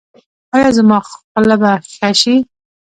ایا زما خوله به ښه شي؟